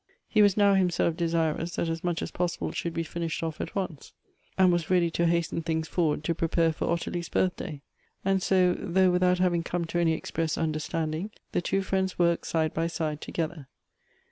He was now himself desirous that .ns much as possible should be finished off at once, and was ready to hasten things forward to prepare for Ottilie's birthday. And so, though without having come to any express understanding, the two friends worked side by side together.